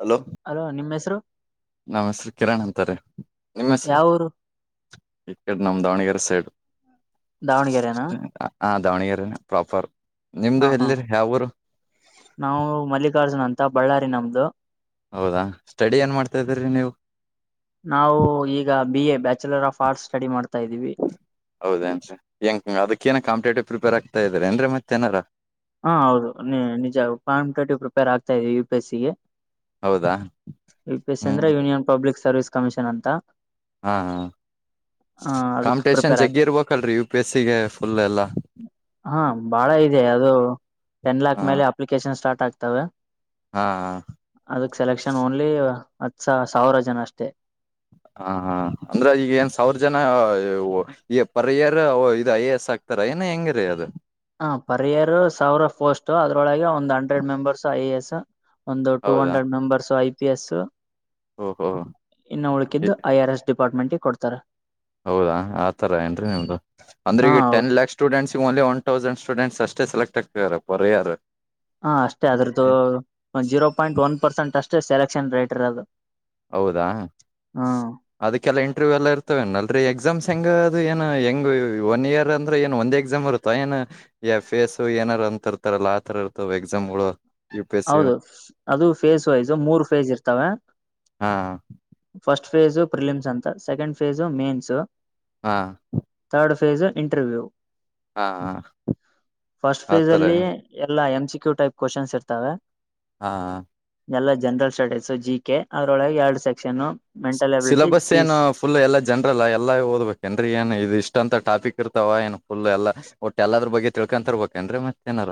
Hello ನಿಮ್ ಹೆಸರು ನಮ ಹೆಸ್ರು ಕಿರಣ್ ಅಂತಾರೆ ನಿಮ್ಮ ಹೆಸ್ರ ಯಾವೂರು ಈ ಕಡೆ ನಮ್ಮ ದಾವಣಗೆರೆ ಸೈಡು ದಾವಣಗೆರೆನಾ ಆ ದಾವಣಗೆರೆ ಪ್ರೋಪರ್ ಹ ನಿಮ್ದು ಹಾ ಎಲ್ಲಿರಿ ಯಾವರು ನಾವು ಮಲ್ಲಿಕಾರ್ಜುನ್ ಅಂತ ಬಳ್ಳಾರಿ ನಮ್ದು ಹೌದಾ ಸ್ಟಡಿ ಏನ್ ಮಾಡ್ತಾ ಇದೀರಿ ನೀವು ನಾವು ಈಗ B A bachelor of arts study ಮಾಡ್ತಾ ಇದ್ದೀವಿ ಹೌದೇಏನ್ರಿ ಗ ಅದಕ್ಕೇನ ಕಾಂಪಟೇಟಿವ್ ಪ್ರಿಪೇರ್ ಆಗ್ತಾ ಇದಾರೆ ಅಂದ್ರ ಮತ್ತ ಏನಾರ ಹಾ ಹೌದು ನೀ ನಿಜ ಕಪಿಟೇಟಿವ್ ಪ್ರಿಪೇರ್ ಆಗ್ತಾ ಇದವಿ ಯು ಪಿ ಎಸ್ ಸಿಗೆ ಹೌದಾ ವಿ ಪಿ ಎ ಅಂದ್ರೆ ಹ್ಮ್ ಯೂನಿಯನ್ ಪಬ್ಲಿಕ್ ಸರ್ವಿಸ್ ಕಮಿಷನ್ ಅಂತ ಹಾ ಹಾ ಹ ಅದಕ್ ಕಾಂಪಿಟೇಷನ್ ಪ್ರಿಪೇರ್ ಜಗ್ಗಿ ಆಗ್ತ ಇರ್ಬೇಕಲ್ರರಿ ಯು ಪಿ ಎಸ್ಸಗೆ ಫುಲ್ ಎಲ್ಲ ಹಾ ಬಾಳ ಇದೆ ಅದು ಟೆನ್ ಲ್ಯಾಕ್ ಹ ಮೇಲೆ ಅಪ್ಲಿಕೇಶನ್ ಸ್ಟಾರ್ಟ್ ಆಗ್ತವೆ ಹಾ ಅದಕ್ ಸೆಲೆಕ್ಷನ್ ಓನ್ಲಿ ಹತ್ಸ ಸಾವಿರ ಜನ ಅಷ್ಟೇ ಹಾ ಹಾ ಅಂದ್ರ ಈಗ ಏನ್ ಸಾವಿರ ಜನ ಈ ಪರ್ ಇಯರ್ ಇದು ಐ ಎ ಎಸ್ ಆಕ್ ರ ಏನ ಹೆಂಗಿರಿ ಅದು ಹ ಪರ್ ಇಯರ್ ಸಾವಿರ ಪೋಸ್ಟ್ ಅದ್ರೊಳಗೆ ಒಂದ್ hundred members I A S ಒಂದು ಟೂ ಹೌದಾ hundred members I P S ಓಹೋ ಇನ್ನು ಉಳ್ಕಿದ್ದು ಐ ಆರ್ ಎಸ್ ಡಿಪಾರ್ಟ್ಮೆಂಟ್ಗೆ ಕೊಡ್ತಾರೆ ಹೌದಾ ಆತರ ಏನ್ರೀ ನಿಮ್ದು ಅಂದ್ರೆ ಹಾ ಈಗ ಹೌದು ten lakh students only one thousand students ಅಷ್ಟೆ ಸಲೆಟ್ ಆಗ್ತಾರೆ ಪರೆಯ ಯಾರ್ ಹಾ ಅಷ್ಟೇ ಅದ್ರದ್ದು ಒ ಜೀರೋ ಪಾಯಿಂಟ್ ಒನ್ ಪರ್ಸೆಂಟ್ ಅಷ್ಟೇ ಸೆಲೆಕ್ಷನ್ ರೇಟ್ರ್ ಅದು ಹೌದಾ ಅದಕ್ಕೆಲ್ಲ ಇಂಟರ್ವ್ಯೂ ಎಲ್ಲ ಇರ್ತವೆಲ್ ಎಕ್ಸಾಮ್ಸ್ ಹೆಂಗ ಅದು ಏನ್ ಹೆಂಗ ಒನ್ ಇಯರ್ ಅಂದ್ರೆ ಏನ್ ಒಂದ್ ಎಕ್ಸಾಮ್ ಇರುತ್ತ ಏನುಫೇಸ್ ಸೊ ಏನಾರು ಅಂತ ಇರ್ತಾರಲ್ಲ ಆತರ ಇರ್ತವೆ ಎಕ್ಸಾಮ್ಗಳು ಯು ಪಿ ಎಸ್ ಸಿ ಹೌದು ಅದು ಫೇಸ್ ವೈಸ್ ಮೂರು ಫೇಸ್ ಇರ್ತವೆ ಹಾ ಫಸ್ಟ್ ಫೇಜು ಪ್ರಿಲಿಮ್ಸ್ ಅಂತ ಸೆಕೆಂಡ್ ಫೇಜು ಮೇನ್ಸ್ ಹಾ. [unintelligible] ಫೇಸ್ ಇಂಟರ್ವ್ಯೂ ಹಾ ಫಸ್ಟ್ ಫೇಸ್ ಆತರ ಅಲ್ಲಿ ಎಲ್ಲ M C Q type questions ಇರ್ತವೆ. ಹಾ ಹಾ. ಎಲ್ಲಾ ಜನರಲ್ ಸ್ಟಡೀಸ್ ಸು ಜಿ ಕೆ ಅವದ್ರೊಳಗೆ ಎರಡು ಸೆಕ್ಷನ್ ನು. ಸಿಲೆಬಸ್ ಏನು ಫುಲ್ ಎಲ್ಲ ಜನ್ರಲ್ ಎಲ್ಲಾ ಓದ್ಬೇಕ ಏನ್ರೀ ಏನ್ ಇದು ಇಷ್ಟ ಅಂತ ಟಾಪಿಕ್ ಇರ್ತ ತ್ತವಾ ಏನು ಫುಲ್ ಎಲ್ಲ ಒಟ್ಟ ಎಲ್ಲದ್ರ ಬಗ್ಗೆ ತಿಳ್ಕೊಂತರ್ಬೇಕೇ ಅಂದ್ರ ಮತ್ತ ಏನಾರ.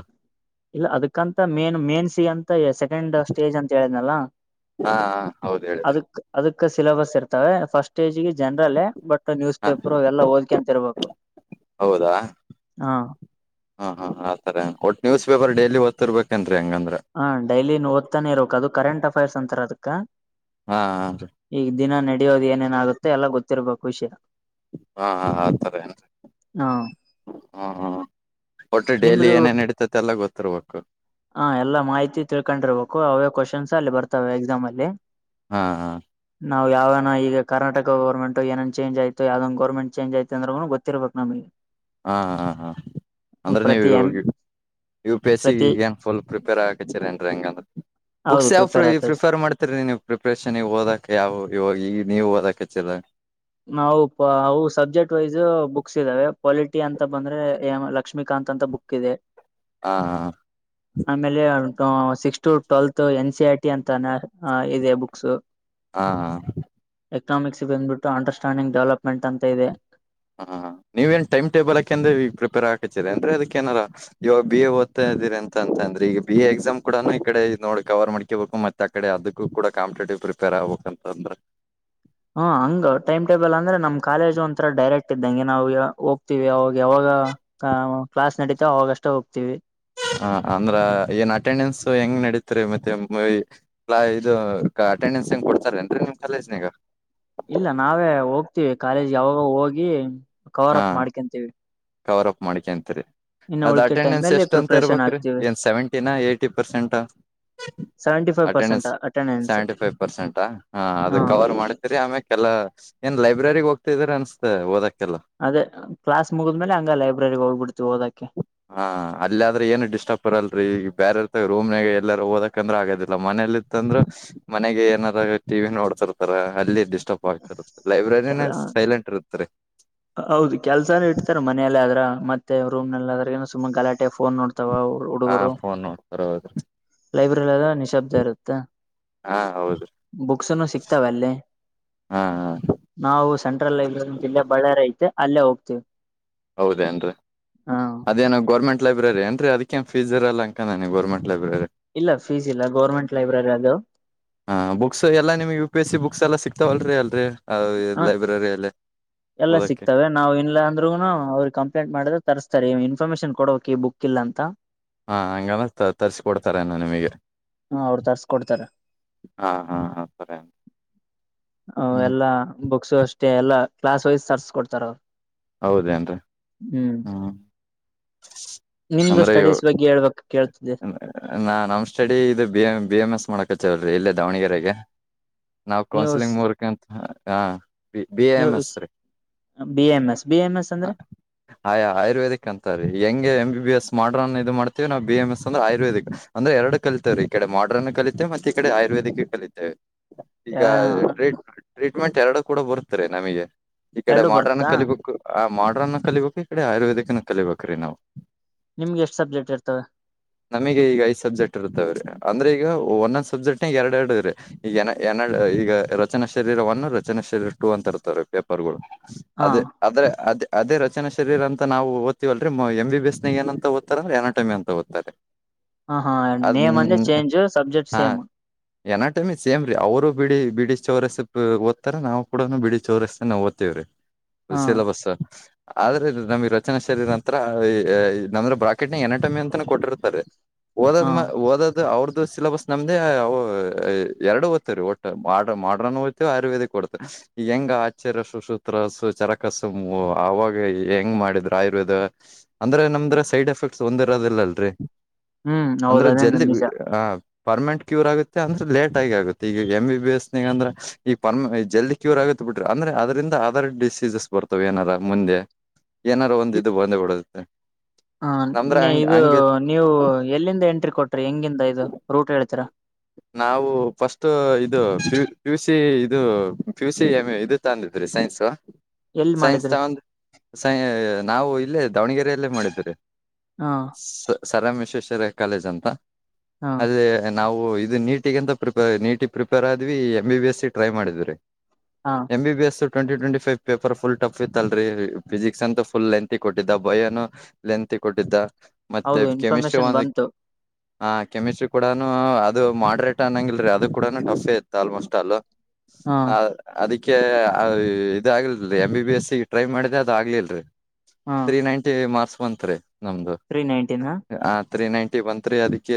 ಇಲ್ಲ ಅದಕ್ಕಂತ ಮೇನ್ ಮೇನ್ಸ ಅಂತ ಸೆಕೆಂಡ್ ಸ್ಟೇಜ್ ಅಂತ ಹೇಳಿದ್ನಲ್ಲ. ಹಾ ಹೌದು ಹೇಳಿದ್ರೆ. ಸಿಲಬಸ್ ಇರ್ತವೆ ಫಸ್ಟ್ ಸ್ಟೇಜ್ ಗೆ ಜನರಲ್ ಬಟ್ ನ್ಯೂಸ್ ಹ ಪೇಪರ್ ಎಲ್ಲ ಓದ್ಕೊಂತ ಇರ್ಬೇಕು. ಹೌದಾ ಹಾ ಹಾ ಹಾ ಆ ತರಾ ಒಟ್ಟು ನ್ಯೂಸ್ ಪೇಪರ್ ಡೈಲಿ ಓದ್ತಿರಬೇಕೆ ಏನ್. ಹಾ ಡೈಲಿ ಓದ್ತಾನೆ ಇರಬೇಕ ಅದು ಕರೆಂಟ್ ಅಫೇರ್ಸ್ ಅಂತಾರ ಅದಕ್ಕ. ಹಾ ಹ ರೀ. ಈಗ ದಿನ ನಡೆಯೋದು ಏನೇನ ಆಾಗುತ್ತೆ ಎಲ್ಲ ಗೊತ್ತಿರ್ಬೇಕು ವಿಷಯ. ಹಾ ಹಾ ಆತರ ಏನ್ರಿ ಹ ಹ್ಮ್ ಹ್ಮ್. ಒಟ್ಟ ಡೈಲಿ ನಿಮ್ದು ಏನೇನ್ ಹಡಿತೈತಿ ಎಲ್ಲ ಗೊತ್ತಿರ್ಬೇಕು. ಹ ಎಲ್ಲಾ ಮಾಹಿತಿ ತಿಳ್ಕೊಂಡಿರ್ಬೇಕು ಅವೇ ಕ್ವಶನ್ಸ್ ಅಲ್ಲಿ ಬರ್ತವೆ ಎಕ್ಸಾಮ್ ಅಲ್ಲಿ. ಹಾ ಹಾ. ನಾವವು ಯಾವಗನ ಈಗ ಕರ್ನಾಟಕ ಗೋರ್ಮೆಂಟ್ ಟು ಏನೇನ ಚೇಜ್ ಆಯತ ಯಾವದ ಒಂದು ಗೋರ್ಮೆಂಟ್ ಚೇಜ್ ಐತ ಅಂದ್ರೂನು ಗೊತ್ತಿರಬೇಕ ನಮಗೆ. ಹಾ ಹಾ ಹ. ಅಂದ್ರೆ ನೀವ ಪ್ರತಿ ಇವಾಗ ಎಂ ಹೋಗಿ ಯು ಪಿ ಎಸ್ ಸಿ ಪ್ರತಿ ಈಗ ಏನ್ ಫುಲ್ ಪ್ರಿಪೇರ್ ಆಗ ಕಚ್ಚರಿ ಏನ್ ಹೆಂಗಂದ್ರ. ಹೌದು ಬುಕ್ಸ್ ಯಾವ್ ಪ್ರಿಪೇರ್ ಆಗ್ತದೆ ಪ್ರಿಫರ್ ಮಾಡ್ತಾರೀ ನೀವು ಪ್ರಿಪರೇಷನ್ ಓದಕ ಯಾವವು ಇವ ಈ. ನೀವು ಅದಕ್ಚ್ಚಿರ. ನಾವು ಅವು ಸಬ್ಜೆಕ್ಟ್ ವೈಸ್ ಬುಕ್ಸ್ ಇದ್ದಾವೆ ಪೊಲಿಟಿ ಅಂತ ಬಂದ್ರೆ ಮ್ ಲಕ್ಷ್ಮಿಕಾಂತ್. ಕಾಂತ್ ಅಂತ ಬುಕ್ ಇದೆ. ಹಾ ಹಾ. ಆಮೇಲೆ six to twelfth N C R T ಅಂತ ಇದೆ ಬುಕ್ಸ್. ಹಾ ಹಾ. ಎಕನಾಮಿಕ್ಸ್ ಬಂದ್ಬಟ್ಟು ಅಂಡರ್ಸ್ಟ್ಯಾಂಡಿಂಗ್ ಡೆವಲಪ್ಮೆಂಟ್ ಅಂತ ಇದೆ. ಹಾ ಹಾ ನೀವ ಏನ್ ಟೈಮ್ ಟೇಬಲ್ ಹಾಕೆಂಡ್ ಪ್ರಪರ್ ಆತ. ಕತೇರಿ ಏನ್ ರಿ ಅದಕ ಏನ ಆರ ಇವಾಗ ಬಿ ಎ ಓದ್ತಾ ಇದೀರಿ ಅಂತ ಅಂದ್ರೆ ಈಗ ಬಿ ಎಕ್ಸಾಮ್ ಕೂಡ ಈಕಡೆ ನೋ ಕವರ್ ಮಾಡ್ಕೇಬೇಕು ಮತ್ತ ಆ ಕಡೆ ಅದಕ್ಕೂ ಕೂಡ ಕಾಂಪಿಟೇಟಿವ್ ಪ್ರಿಪೇರ್ ಆಗ್ಬೇಕ ಅಂತ ಅಂದ್ರ. ಹಾ ಹಂಗ ಟೈಮ್ ಟೇಬಲ್ ಅಂದ್ರೆ ನಮ್ ಕಾಲೇಜ ಒಂಥರ ಡೈರೆಕ್ಟ್ ಇದ್ದಂಗೆ ನಾವವು ಹೋಗ್ತಿವಿ ಅವಾಗ ಯಾವಾಗ. ಹ ಕ್ಲಾಸ್ ನಡೀತ ಅವಾಗಷ್ಟ ಹೋಗ್ತೀವಿ. ಹ ಅಂದ್ರ ಏನ್ ಅಟೆಂಡೆನ್ಸ್ ಹೆಂಗ್ ನಡೀತ್ರಿ ಮತ್ತೆ ವಿ ಕ್ಲಾ ಇದು. ಅಟೆಂಡೆನ್ಸ್ ಏನ ಕೊಡ್ತಾರೇನ್ರಿ ನಿಮ್ ಕಾಲೇಜ ನ್ಯಾಗ. ಇಲ್ಲ ನಾವೇ ಹೋಗ್ತೀವಿ ಕಾಲೇಜ್ ಯಾವಾಗ ಹೋಗಿ ಕವರ್ ಹಾ ಅಪ್ ಮಾಡ್ಕಂತೀವಿ. ಕವರ್ ಅಪ್ ಮಾಡ್ಕ್ಯಂತಿರಿ. ಇನ್ನು ಅದ್ ಉಳಕೆ ಟೈಮ್ ಅಟೆಂಡೆನ್ಸ್ ಅಲ್ಲಿ ಎಷ್ಟ ಅಂತ ಪ್ರಿಪರೇಷನ್ ಇರ್ಬೇಕ್ರೀ ಆಗ್ತೀವಿ ಏನ್ ಸೆವೆಂಟಿನ ಎಟಿ ಪರ್ಸೆಂಟಾ. Seventy five attendance percent attendance seventy five ಪರ್ಸೆಂಟಾ ಹ ಅದ ಹಾ ಕವರ್ ಮಾಡತೇರಿ ಆಮೆಕ್ ಎಲ್ಲಾ. ಏನ್ ಲೈಬ್ರೆರಿಗೆ ಹೋಗತಿದ್ರ ಅನ್ಸ್ತತ ಓದಕ್. ಅದೇ ಕ್ಲಾಸ್ ಮುಗಿದ್ಮೇಲೆ ಹಂಗ ಲೈಬ್ರರಿಗ ಹೋಗ್ಬಿಡ್ತ. ಹಾ ಅಲ್ಲ ಆದ್ರೆ ಏನು ಡಿಸ್ಟರ್ಬ್ ಇರಲರಿ ಬೇರೆ [unintelligible] ರೂಮ್ನಾಗ ಎಲ್ಲಾರೆ ಓದಕ್. ಯಾಕಂದ್ರೆ ಆಗೋದಿಲ್ಲ ಮನೇಲಿತ್ತ ಅಂದ್ರ ಮನೆಗೆ ಏನಾದ ಟಿವಿ ನೋಡುತ್ತಿರತ್ತಾರ. ಅಲ್ಲಿ ಡಿಸ್ಟರ್ಬ್ ಆಗ್ತಿರುತ್ತ ಲೈಬ್ರರಿನ ಕೆಲ ಸೈಲೆಂಟ್ ಇರ್ತ್ತರಿ. ಹೌದು ಕೆಲ್ಸಾನ ಇಡ್ತರ ಮನೆಯಲ್ಲೇ ಆದ್ರೆ ಮತ್ತೆ ರೂಮ್ ನಲ್ಲಿ ಅದ್ರ ಸುಮಾ ಗಲಾಟೆ ಫೋನ್ ನೋಡ್ತ. ತವ ಹಾ ಹುಡುಗರು ಫೋನ್ ನೋಡ್ತಾರ ಹೌದ್ರಿ ಲೈಬ್ರರಿ ಅಲ್ಲಿಅದರ ನಿಶಬ್ದ ಇರುತ್ತ. ಹಾ ಹೌದ್ರಿ ಬುಕ್ಸ್ನು ಸಿಕ್ತಾವ ಅಲ್ಲಿ. ಹಾ ಹಾ ನಾವು ಸೆಂಟ್ರಲ್ ಲೈಬ್ರರಿ ಇಲ್ಲೆ ಬಳ್ಳಾರಿ ಐತೆ ಅಲ್ಲೇ ಹೋಗ್ತೇವ. ಹೌದೇನ್ರಿ ಅದೇನೋ ಗೋರ್ಮೆಂಟ್ ಲೈಬ್ರರಿ ಅನ್ರಿ ಅದ್ಕ್ಕೇನ್ ಫೀಸ್ ಇರಲ್ಲ ಅನ್ನಕ್ಕಡೆನಿ ಗೋರ್ಮೆಂಟ್. ಇಲ್ಲ ಫೀಸ್ ಇಲ್ಲ ಗೌರ್ಮೆಂಟ್ ಲೈಬ್ರರಿ ಅದು. ಹಾ ಬುಕ್ಸ್ ಎಲ್ಲಾ ನಿಮ್ಗ U P S C books ಎಲ್ಲಾ ಸಿಕ್ತಾವಲ್ರರಿ ಅಲ್ರರಿ. ಹ ಲೈಬ್ರರಿ ಅಲ್ಲಿ ಎಲ್ಲ ಓದಕ್ಕೆ ಸಿಗ್ತವೆ ನಾವು ಇಲ್ಲ ಅಂದ್ರೂನು. ಅವ್ರಿಗೆ ಕಂಪ್ಲೇಂಟ್ ಮಾಡಿದ್ರೆ ತರಸ್ತಾರೆ ಇನ್ಫಾರ್ಮೇಶನ್ ಕೊಡ್ಬೆಕ್ ಈ ಬುಕ್ ಇಲ್ಲ ಅಂತ. ಹಾ ಹಂಗಲ್ಲ ತರ್ರಿಸಿಕೊಡ್ತಾರನ್ನು ನಿಮಗೆ. ಹಾ ಅವ್ರು ತರ್ಸ್ಕೊಡ್ತಾರೆ. ಹಾ ಹಾ ಹಾ ಸರಿ ಅವ ಹ್ಮ್ ಎಲ್ಲಾ ಬುಕ್ಸ್ ಅಷ್ಟೆ ಎಲ್ಲಾ ಕ್ಲಾಸ್ ವೈಸ್ ತರ್ಸ್ಕೊಡ್ತಾರ ಅವ್ರು. ಹೌದೇನ್ರೀ ಹ್ಮ್. ನಿಮ್ದು ಅಂದ್ರೆ ಇವ ಸ್ಟಡೀಸ್ ಬಗ್ಗೆ ಹೇಳ್ಬಕ್. ನಾ ನಮ ಸ್ಟಡಿ ಇದು ಬಿ ಬಿ ಎಮ್ ಎಸ್ ಮಾಡ. ಕಚೌಲ್ರಿ ಇಲ್ಲೇ ದಾವಣಗೆರೆಗೆ ನಾವ್ ನೀವು ಕೌನ್ಸಿಲಿಂಗ್ ಮೂರ್ಕ ಅಂತ ಹ. ಬಿ ಬಿ ಎ ನೀವು ಎಮ ಎಸ್ ರೀ. B M S B M S ಅಂದ್ರೆ ಆಯ ಆಯುರ್ವೇದಿಕ್ ಅಂತ ರೀ. ಹೆಂಗೆ ಎಂ ಬಿ ಬಿಸ್ ಮಾಡ್ರನ್ ಇದು ಮಾಡ್ತೀವಿ ನಾವು ಬಿ ಎಮ್ ಎಸ್ ಅಂದ್ರೆ ಆಯುರ್ದಿಕ್ ಅಂದ್ರ ಎರಡು ಕಲಿತಿವ್ ರೀ ಈ ಕಡೆ ಮಾಡ್ರನ್. ಕಲಿತೆ ಮತ್ತೆ ಈ ಕಡೆ ಆಯುರ್ವೇದಿಕ್ ಕಲಿತವೆ. ಈಗ ಟ್ರೀಟ್ಮೆಂಟ್ ಎರಡು ಕೂಡ ಬರ್ತಾರೆ ನಮಗೆ ಈ ಕಡೆ ಎರಡು ಮಾಡ್ರನ್. ಬರುತ್ತಾ ಕಲಿಬೇಕು ಆ ಮಾಡ್ರನ್ ಕಲಿಬೇಕು ಈ ಕಡೆ ಆಯುರ್ವೇದಿಕ್ ನ ಕಲಿಬೇಕುರೀ ನಾವು. ನಿಮ್ಗೆ ಎಷ್ಟು ಸಬ್ಜೆಕ್ಟ್ ಇರ್ತವೆ. ನಮಗ ಈಗ ಐದ್ ಸಬ್ಜೆಕ್ಟ್ ಇರ್ತವ್ರೀ ಅಂದ್ರೆ ಈಗ ಒಂದೊಂದ್ ಸಬ್ಜೆಕ್ಟ್ ನ ಎರಡ್ ಎರಡ್ರೀ ಈಗ ಎನಾ. ಈಗ ರಚನಾ ಶರೀರ ಒನ್ ರಚನಾ ಶರೀರ ಟು ಅಂತ ಇರ್ತಾವೇ ಪೇಪರ್ ಗಳು. ಹಾ ಅದ ಆದದ್ರೆ ಅದೇ. ಅದೇ ರಚನಾ ಶರಿರ ಅಂತ ನಾವು ಓದ್ತೀವಲ್ ರಿ ಎಂ ಬಿ ಎಸ್ ನಾಗ ಎನ್ ಅಂತ ಓದ್ತಾರೆ ಅಂದ್ರ ಎನಾಟಮಿ ಅಂತ ಓದ್ತಾರೆ. ಹ ಹಾ ಅದ್ ನೇಮ್ ಅಂದೆ change subject same. Anatomy same ರಿ ಅವರು ಬಿಡಿ ಬಿಡಿ ಚೌರಸ್ ಓದ್ತಾರ ನಾವು ಕೂಡನು ಬಿಡಿ ಚೌರಸೆ ನ ಓದಿತ್ವಿ ರಿ. ಹಾ ಸಿಲಬಸ್. ಆದ್ರೆ ನಮ್ಗ ರಚನಾ ಶರೀರ ನಂದ್ರ ಬ್ರಾಕೆಟ್ನ ಎನಟಮ್ಮಿ ಅಂತಾನೂ ಕೊಟ್ಟಿರ್ತಾರೆ. ಹಾ ಓದದ್ಮ ಓದದು ಅವ್ರ್ದ. ದು ಸಿಲಬಸ್ ನಮ್ದೇ ಎರಡು ಓದ್ತ ರೀ ಒಟ್ಟ ಮಾಡ್ರ ಮಾಡ್ರನ್ ಓದ್ತವಿ ಆಯುರ್ವೇದಿಕ್ ಓಡ್ತ. ಹೆಂಗ ಆಚಾರ್ಯ ಸುಸೂತ್ರ ಸು ಚರಕಸುಮ ಅವಾಗ ಹೆಂಗ್ ಮಾಡಿದ್ರು ಆಯುರ್ವೇದ. ಅಂದ್ರೆ ನಮ್ದ್ರ ಸೈಡ್ ಎಫೆಕ್ಟ್ಸ್ ಒಂದ್ ಇರೋದಿಲ್ಲ ಅಲ್ರರಿ. ಹ್ಮ್ ಹೌದ ಅಂದ್ರೆ ಅದೇಂದ ಜಲ್ದಿ ನಿಜ ಆ. ಪರ್ಮೆಂಟ್ ಕ್ಯೂರ್ ಆಗುತ್ತೆ ಅಂದ್ರೆ ಲೇಟ್ ಆಗ ಆತ್ತೆ ಈಗ ಎಂ ಬಿ ಬಿ ಎಸ್ ಅಂದ್ರ ಈಗ ಪರ್ಮ ಜಲ್ದಿ ಕ್ಯೂರ್ ಆಗುತ್ತೆ. ಬಿಟ್ರಿ ಅಂದ್ರೆ ಅದ್ರಂದ ಅದರ್ ಡಿಸೀಸಸ್ ಬರ್ತವ ಏನಾರ ಮುಂದೆ. ಏನಾದಾರು ಒಂದ ಇ ಬಂದ್ ಬಿಡುತ್ತೆ. ಹಾ ನಮ್ದ್ರ ನಿ ಹಂಗ ಇದು ಹಂಗ ನೀವು. ಎಲ್ಲಿಂದ ಎಂಟ್ರಿ ಕೊಟ್ರಿ ಹೆಂಗಿಂದ ಇದು ರೂಟ್ ಹೇಳ್ತೀರಾ. ನಾವು ಫಸ್ಟ್ ಇದು ಪಿಯುಸಿ ಇದು ಪಿಯುಸಿ ಇದು ತಂದಿದ್ರಿ. ಸೈನ್ಸ್. ಎಲ್ಲಿ ಸೈನ್ಸ್ ಮಾಡಿದ್ರಿ ತಗೊಂಡ ಸೈ ನಾವು ಇಲ್ಲೇ ದಾವಣಗೆರೆಯಲ್ಲೇ ಮಾಡಿದೀರಿ. ಹಾ ಸರ್ ಎಂ ವಿಶ್ವೇಶ್ವರಯ ಕಾಲೇಜ್ ಅಂತ ಹಾ ಅಲ್ಲಿ ನಾವು. ಇದು ನೀಟ್ಗ ಅಂತ ಪ್ರಿಪೆರ್ ನೀಟಿಗೆ ಪ್ರಿಪೇರ್ ಆದ್ವಿ ಎಂ ಬಿ ಬಿ ಎಸ ಗೆ ಟ್ರೈ ಮಾಡಿದ್ ರೀ. ಹಾ M B B S. Twenty twenty paper full tough ಇತ್ತಲ್ರರಿ ಫಿಸಿಕ್ಸ್ ಅಂತ ಫುಲ್ ಲೆಂತ್ ಕೊಟ್ಟಿದ್ದ ಬಯನು ಲೆಂತ್. ಕೊಟ್ಟಿದ್ದ ಮತ್ತೆ ಹೌದು ಕೆಮಿಸ್ಟ್ರಿ ಇನ್ಫಾರ್ಮೇಶನ್ ಬಂತು ವಕ್ಕೆ. ಹ ಕೆಮಿಸ್ಟ್ರಿ ಕೂಡನು ಅದು ಮಾಡ್ರೇಟ್ ಅನ್ನಂಗಲ್ರರಿ ಅದು ಕೂಡ ಟಫೇ ಇತ್ತು ಆಲ್ಮೋಸ್ಟ್ ಅಲ್. ಹಾ ಹ ಅದಕ್ಕೆ. ಕ್ಕೆ ಇದ ಆಗ್ಲ್ರಿ M B S C try ಮಾಡಿದೆ ಅದು ಆಗ್ಲಿಲ್ರರಿ. ಹಾ ತ್ರೀ ನೈಂಟಿ ಮಾರ್ಸ್ ಬತ್ರಿ ನಮ್ದು. ತ್ರೀ ನೈನ್ಟೀನ್ ಹಾ ತ್ರೀ ನೈಂಟಿ ಬನ್ತ್ರೀ ಅದಕ್ಕೆ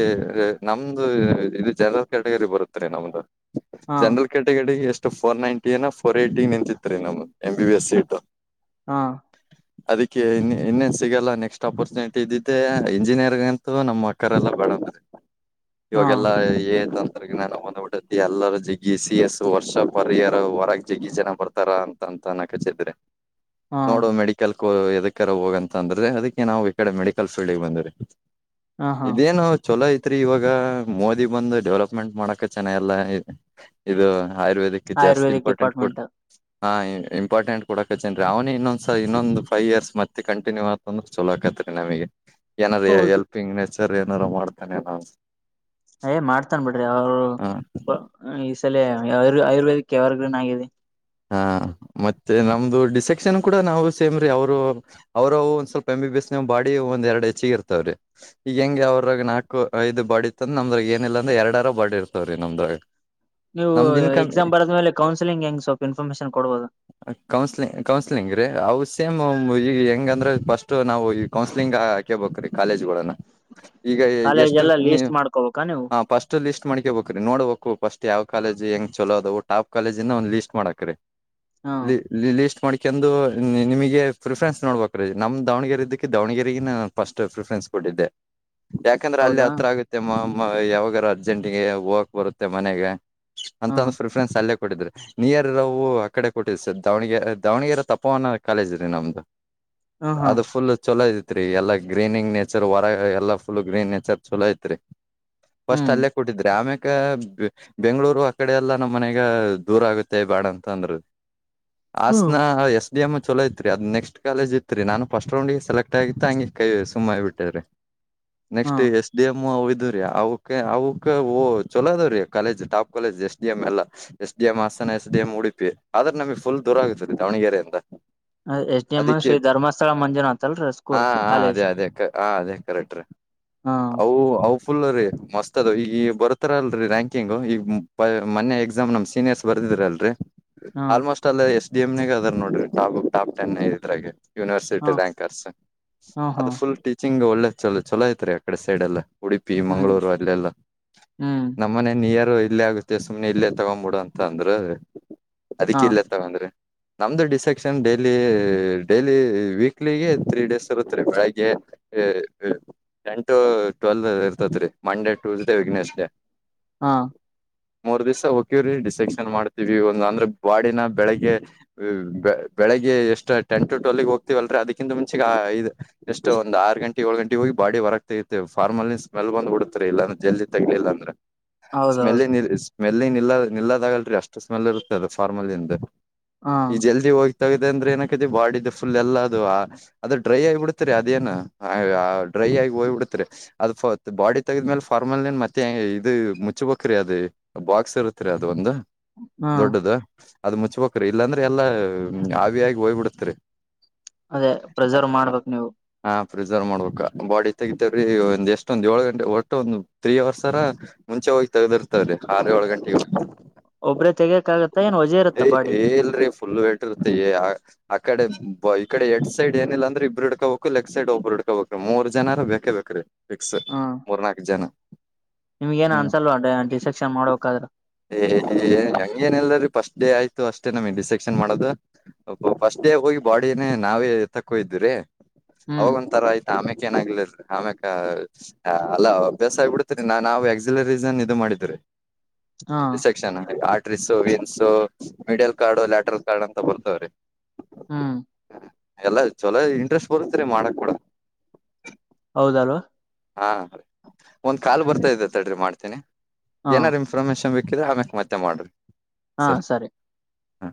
ನಮ್ದು ಇದು ಜನರಲ್ ಕ್ಯಾಟಗರಿ ಬರುತ್ತ ರೀ ನಮ್ದು. ಹಾ ಜನರಲ್ ಕ್ಯಾಟಗರಿ ಎಷ್ಟು ಫೋರ್ ನೈನ್ಟಿ ಏನಾ ಫೋರ್ ಎಟಿ ಗೆ ನಿಂತಿತ್ ರೀ ನಮ್ದ. ಎಂ ಬಿ ಎಸ್ ಹಾ ಸಿಟು ಹಾ ಅದಕ್ಕೆ ಇ ಇನ್ನೇನ್ ಸಿಗಲ್ಲ ನೆಕ್ಸ್ಟ್ ಅಪರ್ಚುನಿಟಿ ಇದಿದ್ದೆ ಇಂಜಿನಿಯರಿಂಗ್ ಅಂತೂ ನಮ್ಮ ಅಕ್ಕರೆಲ್ಲಾ ಬಡಣ ಇವಾಗೆಲ್ಲಾ ಏಂತ ನಾನುಂದ್ಬಿಟ್ಟಿ ಎಲ್ಲರ ಜಿಗಿ ಸಿ ಎಸ್ ವರ್ಷ ಪರಿಯರ ಹೊರಗ್ ಜಿಗಿ ಜನ ಬರ್ತಾರ ಅಂತಂದ ಕಚಿದ್ರೆ ಹಾ ನೋಡು ಮೆಡಿಕಲ್ ಎದಕರ ಹೋಗ ಅಂತ ಅಂದ್ರೆ ಅದಕ್ಕೆ ನಾವು ಈ ಕಡೆ ಮೆಡಿಕಲ್ ಫೀಲ್ಡ್ಗೆ ಬಂದರಿ ಹಾ ಹಾ ಇದೇನ್ ಚೊಲೋ ಐತ್ರಿ ಇವಾಗ ಮೋದಿ ಬಂದು ಡೆವಲಪ್ಮೆಂಟ್ ಮಾಡಕ ಚೆನ್ನ ಎಲ್ಲ ಇದು ಆಯುರ್ವೇದಕ್ ಜಾಸ್ತಿ ಆಯುರ್ವೇದಿಕ್ ಇಂಪಾರ್ಟೆಂಟ್ ಕೊ ಡಿಪಾರ್ಟ್ಮೆಂಟ್ ಹಾ ಇಂಪಾರ್ಟೆಂಟ್ ಕೊಡಕತ್ತೇನ್ೀ ಅವನೇ ಇನ್ನೊಂದಸ ಇನ್ನೊಂದು ೈವ್ ಇಯರ್ಸ್ತ್ತೆ ಕಂಟಿನ್ಯೂ ಅತಂದ್ರೆ ಚಲ ಆಕತ್ತತ್ ನಮಗೆ ಏನಾರ ಹೌದು ಹೆಲ್ಪಿಂಗ್ ನೇಚರ್ ಏನಾರು ಮಾಡ್ತಾನೆ ನಾವು ಏ ಮಾಡ್ತನ್ ಬಿಡ್ರಿ ಅವರು ಹ ಆಯುರ್ವೇದಿಕ್ ಯಾವಾಗಗನ್ ಆಗಿದೆ ಹಾ ಮತ್ತೆ ನಮ್ದು ಡಿಸೆಕ್ಷನ್ ಕೂಡ ನಾವು ಸೇಮ್ರೀ ಅವರು ಅವ್ರ ಒಂದ್ ಸ್ವಲ್ಪ ಎಂಬಿಬಿಯಸ್ ನ್ ಬಾಡಿ ಒಂದ ಎರಡ್ ಹೆಚ್ಚಿಗೆ ಇರ್ತವ್ರ ಈಗ ಹೆಂಗೆ ಅವ್ರಾಗ ನಾಲ್ಕು ದು ಬಾಡಿಿ ಅಂದ್ರ ನಮ್ದ್ರ ಏನಿಲ್ಲ ಅಂದ್ರ ಎರಡರ ಡ್ ಇರ್ತಾವ್ರೀ ನಮ್ದ ನೀವು ಎಕ್ಸಾಮ್ ಬರದ ಮೇಲೆ ಕೌನ್ಸಿಲಿಂಗ್ ಹೆಂಗ್ ಸೊ ಕೌನ್ಸ್ಲಿ ಕೌನ್ಸ್ಲಿಂಗ್ ರೀ ಹ ಸೇಮ್ ಈಗ ಹೆಂಗಂದ್ರೆ ಫಸ್ಟ್ ನಾವು ಈ ಕೌನ್ಸ್ಲಿಂಗ್ ಹಾಕೇಬೇಕ ರೀ ಕಾಲೇಜ್ ಗಳನ್ನ ಈಗ ಕಾಲೇಜ್ ಎಷ್ಟ ಎಲ್ಲ ನೀ ಲೀಸ್ಟ್ ಮಾಡ್ಕೋಬೇಕಾ ನೀವು ಹ ಫಸ್ಟ್ ಲಿಸ್ಟ್ ಮಾಡ್ಕೇಬೇಕ್ರೀ ನೋಡ್ಬೇಕು ಫಸ್ಟ್ ಯಾವ ಕಾಲೇಜ್ ಹೆಂಗ್ ಚಲೋ ಅದು ಟಾಪ್ ಕಾಲೇಜ ಒಂದ ಲಿಸಸ್್ ಮಾಡಕ್ರೀ ಹಾ ಲೀ್ಟ್ ಮಾಡ ಕೆಂದು ನಿಮಗೆ ಪ್ರಿಫರೆನ್ಸ್ೋಡ್ಬೇಕ ರೀ ನಮಮ್ಮ ದಾವಣಗೆರೆ ಇದಕ್ಕೆ ದಾವಣಗೆರೆಗೆ ನ ಫಸ್ಟ್ ಪ್ರಿಫರೆನ್ಸ್ ಕೊಟ್ಟ ಮಾಡಿದೆ ಯಾಕಂದ್ರ ಅಲ್ಲಿ ಹೌದಾ ಹತ್ರ ಆಗುತ್ತೆಮ್ಮ ಯಾವಾಗಾರ ಅರ್ಜೆಂಟ್ಗೆ ಹೋಗಕ್ ಬರುತ್ತೆ ಮನೆಗ ಅಂತ ಹಾ ಒಂದು ಪ್ರಿಫರೆನ್ಸ್ ಅಲ್ಲೇ ಕೊಟ್ಟಿದ್ರೆ ನಿಯರ್ ರವು ಆ ಕಡೆ ಕೊಟ್ಟಿದ ಸರ್ ದಾವಣಗೆರೆ ದಾವಣಗೆರೆ ತಪ್ಪವನ ಕಾಲೇಜ್ ರೀ ನಮ್ದು ಹ್ಮ ಹಾ ಅದು ಫುಲ್ ಚೊಲೋ ಇದತ್ತು ಐತ್ರಿ ಎಲ್ಲಾ ಗ್ರೀನಿಂಗ್ ನೇಚರ್ ವರ ಎಲ್ಲಾ ಫುಲ್ ಗ್ರೀನ್ ನೇಚರ್ ಚಲೋ ಐತ್ರಿ ಫಸ್ಟ್ ಹ್ಮ್ ಅಲ್ಲೇ ಕೊಟ್ಟಿದ್ರೆ ಆಮೇ ಬೆಂಗ್ಗಳೂರು ಆ ಕಡೆ ಎಲ್ಲಾ ನಮ್ಮ್ ಮನೆಗ ದೂರ ಆಗುತ್ತೆ ಬಾಡ ಅಂತ ಅಂದ್ರ ಹ್ಮ್ ಹಾಸನ ಎಷ್ಟು ದಿಯಮ್ಮ ಚಲೋ ಇಐತ್ರಿ ಅದ ನೆಕ್ಸ್ಟ್ ಕಾಲೇಜ ಇತ್ರಿ ನಾನನ್ ಫಸ್ಟ್ ರೌಂಡ್ಗೆ ಸೆಲೆಕ್ಟ್ ಆಗಿತ್ತು ಹಂಗಗೆ ಕೈ ಸುಮ್ ಬಿಟ್ಟೇ ರರಿ ಹಾ ನೆಕ್ಸ್ಟ್ ಎಸ್ ಡಿ ಎಂ ಅವ ರೀ ಅಕ್ಕೆ ಅವಕ ಚಲೋ ಅದ್್ರೀ college top college S D M ಎಲ್ಲ ಎಸ್ ಡಿ ಎಂ್ ಎಸ ಉಡಿಪಿ ಆದ್ರ ನಮಗ್ ಫುಲ್ ದೂರ ಆಗತದೆ ದಾವಣಗೆರೆಯಿಂದ ಎಸ್ ಡಿ ಎಂ ಅದಿಕ್ಕೆ ಶ್ರೀ ಧರ್ಮಸ್ಥಳ ಮಂಜುನಾಥ್ ಅಲ್ರಿ ಹಾ ಸ್ಕೂಲ್ ಹ ಕಾಲೇಜ್ ಅದೇ ಅದೇ ಹ ಅದೇ ಕರೆಕ್ಟ್ರೀ ಹಾ ಹೌ ಹೌ ಫುಲ್ ರೀ ಮಸ್ತ್ ಅದು ಈಗ ಬರ್ತಾರಲ್ರರಿ ರ್ಯಾಂಕಿಂಗ್ ಈಗ ಮೊೆ ಎಕ್ಸಾಮ್ ನಮ್ ಸೀನಿಯರ್ಸ್ ಬರ್ದಿದ್ರಿ ಅಲ್ರರಿ ಹಾ ಆಲ್ಮೋಸ್ಟ್ ಅಲ್ಲ ಎಸ್ ಡಿ ಎಂ್ಗ ಅದ ನೋಡ್ರಿ ಟಾಪ್ ಟಾಪ್ ಟೆನ್ ಇದೆ ಹಾ ಯೂನಿವರ್ಸಿಟಿ ರ್ಯಾಂಕರ್ಸ್ ಹಾ ಹಾ ಅದು ಫುಲ್ ಟೀಚಿಂಗ್ ಒಳ್ಳೆ ಚಲ ಚಲೋ ಐತ್ ರೀ ಆ ಕಡೆ ಸೈಡ್ ಎಲ್ಲ ಉಡುಪಿ ಹ್ಮ್ ಮಂಗಳೂರು ಅಲ್ಲೆಲ್ಲ ಹ್ಮ್ ನಮ್ಮನೆ ನಿಯರು ಇಲ್ಲೇ ಆಗುತ್ತೆ ಸುಮ್ಮನೆ ಇಲ್ಲೇ ತಗೊ್ಬಿಡುಂತ ತಂದ್ರ ಅದಕ್ಕ ಹಾ ಇಲ್ಲ ತಗಂದ್ರಿ ನಮ್ದು ಡಿಸೆಕ್ಷನ್ ಡೈಲಿ ಡೈಲಿ ವೀಕ್ಲಿಗೆ ತ್ರೀ ಡೇಸ್ ಇರುತ್ತ ರೀ ಬೆಳಗೆ ಟೆನ್ ಟು ಟ್ವೆಲ್ ಇರ್ತತ್ ರರಿ ಮಂಡೇ ಟೂ ೇ ವಿಘ್ನೇಶ್ ಡೆ ಹಾ ಮೂರ್ ದಿವ್ಸ ಹೋಗಕಿವ್ರ ಸೆಕ್ಷನ್ ಮಾಡ್ತವಿ ಒಂದು ಅಂದ್ರೆ ಬಾಡಿನ ಬೆಳಗ್ಗೆ ಬೆಳಗ್ಗೆ ಎಷ್ಟ ಟೆನ್ ಟು ಟ್ಲ್ ಹೋಗ್ತವಲ್ರಿ ಅದಕ್ಕಿಂತ ಮುಂಚೆದು ಎಷ್ಟು ಒಂದು ಆರು ಗಂಟೆ ಏಳು ಗಂಟೆ ಹೋಗಿ ಬಾಡಿರಗ್ತ ಫಾರ್ಮಲ್ ಸ್ಮೆಲ್ ಬಂದು ಬಿಡತಾರೆ ಇಲ್ಲ ಜಲ್ಜಿ ತಗ ಇಿಲ್ಲ ಅಂದ್ರೆ ಸ್ಮೆಲ್ಲಿ ಹೌದೌದು ನಿಲ್ ಸ್ಮೆಲ್ಲಿಂಗ್ ನಿಲ್ಲ ನಿಲ್ಲದಾಗಲ್ರಿ ಅಷ್ಟು ಸ್ಮೆಲ್ ಇರುತ್ತೆ ಅದು ಫಾರ್ಮಲ್ಲಿಂದ ಹಾ ಈ ಜಲ್ದಿ ಹೋಗ್ ಗ ಅಂದ್ರೆ ಏನೈತಿ ಬಾಡ ಫುಲ್ ಎಲ್ಲ ಅದು ಅದು ಡ್ರೈ ಆಗಿ ಬಿಡ್ತರಿ ಅದೇಏನ್ ಡ್ರೈ ಆಗಿ ಹೋಯ್ಬ ಬಿಡತ್ರಿ ಅದ ಬಾಡಿ ತೆಗದ್ಮೇಲೆ ಫಾರ್ಮಲ್ನ್ ಮತ್ತೆ ಇದು ಮುಚ್ಬೇಕ್ರೀ ಅದ ಬಾಕ್ಸ್ ಇರುತ್ತರಿ ಅದು ಒಂದು ಹ್ಮ್ ದೊಡ್ಡದ ಅದ್ ಮುಚ್ಬಕ್ರೀ ಇಲ್ಲಾಂದ್ರೆ ಎಲ್ಲಾ ಹಾವಿಯಾಗಿಿ ಹೋಗ್ ಬಿಡತರಿ ಅದೇ ಪ್ರಿಸರ್ವ್ ಮಾಡ್ಬೇಕ ನೀವು ಹಾ ಪ್ರಿಸರ್ವ್ ಮಾಡ್ಬೇಕ ಬಾಡಿ ತೆಗಿತೇ್ರೀ ಒಂದ ಎಷ್ಟೊಂದ್ ಏಳು ಗಂಟೆ ಒಟ್ಟು ಒಂದು ತ್ರೀ ಅವರ್ಸ್ ತರ ಮುಂಚೆ ಹೋಗಿ ತಗದಿರ್ತದೆ್ರ ಆರು ಏಳು ಗಂಟೆಗೆ ಒಬ್ಬ್ರೇ ತೆಗಿಯಕ್ ಆಗತ್ತ ಏನ್ ವಜೆ ಇರುತ್ತ ಏ ಬಾಡಿ ಏ ಇಲ್ರಿರಿ ಫುಲ್ ವಟರ್ತ ಆಕಡೆ ಈ ಕಡೆ ಎಡ್ ಸೈಡ್ ಏನಿಲ್ಲ ಅಂದ್ರೆ ಇಬ್ರು ಹಿಡ್ಕೋಬೇಕುಲೆಗ್ಕ್ ಸೈಡ್ ಒಬ್ಬರು ಹಡ್ಕೋಬೇಕ್ರೀ ಮೂರ್ ಜನಾರ ಬೇಕೇ ಬೇಕ್ರೀ ಫಿಕ್ಸ್ ಮೂರ್ನಾಾಲ್ಕು ಜನ ನಿಮ್ಗ ಏನ ಹ್ಮ್ ಅನ್ಸಲ್ವಾ ಡಿಸ್ಕ್ಷನ್ ಮಾಡಬೇಕಕ್ಾದ್ರ ಹಂಗ ಏ ಇಲ್ದೀಫಸ್ಟ್ ಡೇ ಆಯ್ತು ಅಷ್ಟೇ ನಮ್ ಇ ಿಸೆಕ್ಷನ್ ಮಾಡೋದು ಫಸ್ಟ್ ಡೇ ಹೋಗಿ ಬಾಡಿನೇ ನಾವೇ ತಕ್ಕೊಯ್ದ್ರರಿ ಅವಾಗ ಹ್ಮ್ ಒಂ ತರ ಆಯ್ತ ಆಮ್ಯಕ್ ಏನಾಗ್ಲ ಆಮ್ಯ ಅಲ್ಲ ಅಭ್ಯಾಸ ಆಗ್ಿಬಿಡ್ತರಿ ನಾ ನಾವು ಎಕ್ಸಿಲೀ ಇದು ಮಾಡ ಮಾಡಿದರೆ ಹಾ resection arteries veins medial cord lateral cord ಅಂತ ಬರ್ತವ್ರಿ ಹ್ಮ್ ಚೊಲೋ ಇಂಟ್ರೆಸ್ಟ್ ಬರುತ್ತರಿ ಮಾಡಕ್ ಕೂಡ ಹೌದಲ್ವಾ ಹಾ ಒಂದ್ ಕಾಲ್ ಬರ್ತಾ ಇದ ತಡ್ರಿ ಮಾಡ್ತೀನಿ ಹಾ ಏನಾದಾರು ಇನ್ಫಾರ್ಮೇಶನ್ ಬ ಕ್ರ ಆಮ್ಯಕ್ ಮತ್ತೆ ಮಾಡ್ರಿ ಹಾ ಸರಿ ಹಾ